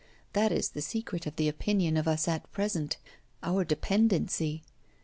That is the secret of the opinion of us at present our dependency.